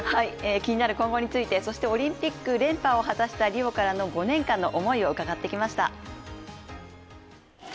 気になる今後について、そしてオリンピック連覇を果たしたリオからの５年間の思いを伺ってきました。